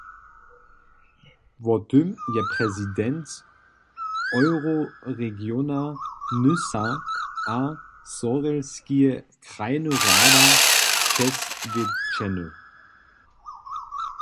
Wo tym je prezident euroregiona Nysa a Zhorjelski krajny rada přeswědčeny.